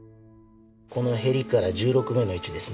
このへりから１６目の位置ですね。